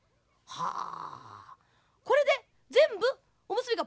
はあ。